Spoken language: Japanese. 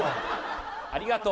ありがとう。